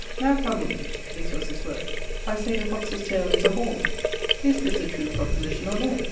Now come we' (this was his word), 'I say the foxe's tayle is a horne: is this a true proposition or no?'